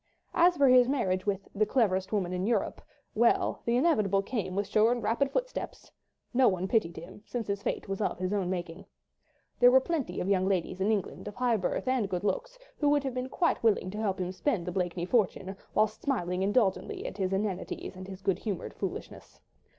As for his marriage with "the cleverest woman in Europe," well! the inevitable came with sure and rapid footsteps. No one pitied him, since his fate was of his own making. There were plenty of young ladies in England, of high birth and good looks, who would have been quite willing to help him to spend the Blakeney fortune, whilst smiling indulgently at his inanities and his good humoured foolishness.